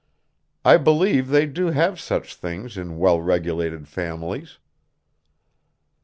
I believe they do have such things in well regulated families."